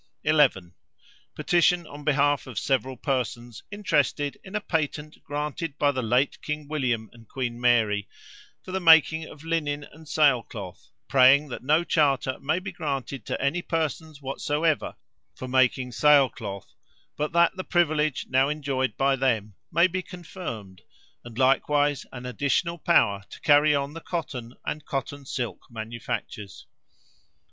"11. Petition on behalf of several persons interested in a patent granted by the late King William and Queen Mary for the making of linen and sail cloth, praying that no charter may be granted to any persons whatsoever for making sail cloth, but that the privilege now enjoyed by them may be confirmed, and likewise an additional power to carry on the cotton and cotton silk manufactures.